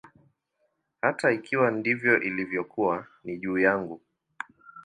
Hata ikiwa ndivyo ilivyokuwa, ni juu yangu.